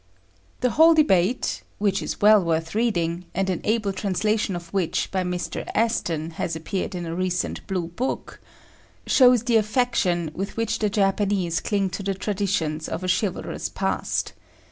The whole debate (which is well worth reading, and an able translation of which by Mr. Aston has appeared in a recent Blue Book) shows the affection with which the Japanese cling to the traditions of a chivalrous past.